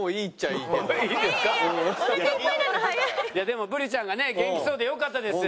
いやでもブリちゃんがね元気そうでよかったです。